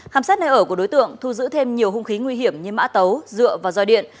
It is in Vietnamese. khám xét nơi ở của đối tượng thu giữ thêm nhiều hung khí nguy hiểm như mã tấu dựa và roi điện